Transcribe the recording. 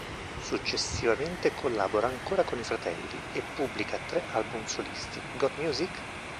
Successivamente collabora ancora con i fratelli, e pubblica tre album solisti: "Got Music?